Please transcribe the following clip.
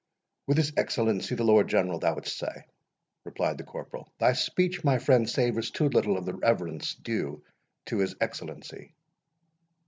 "With his Excellency the Lord General, thou wouldst say?" replied the corporal. "Thy speech, my friend, savours too little of the reverence due to his Excellency."